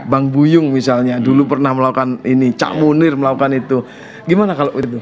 bang buyung misalnya dulu pernah melakukan ini cak munir melakukan itu gimana kalau itu